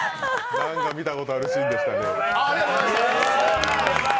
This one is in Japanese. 何か見たことあるシーンでしたけど。